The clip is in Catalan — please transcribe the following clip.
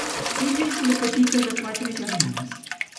Ella és la petita de quatre germans.